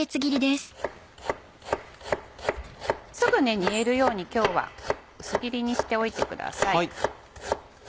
すぐ煮えるように今日は薄切りにしておいてください。